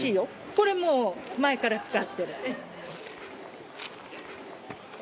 これもう前から使ってる。